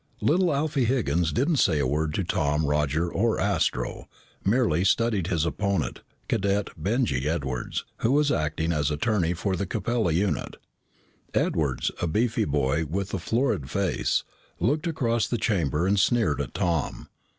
Little Alfie Higgins didn't say a word to Tom, Roger, or Astro, merely studied his opponent, Cadet Benjy Edwards, who was acting as attorney for the Capella unit. Edwards, a beefy boy with a florid face, looked across the chamber and sneered at Tom.